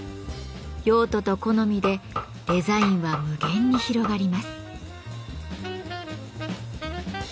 用途と好みでデザインは無限に広がります。